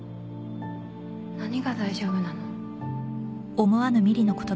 何が大丈夫なの？